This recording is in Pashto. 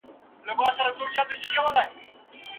هغه وخت نه کم کاوه.